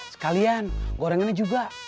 sekalian gorengannya juga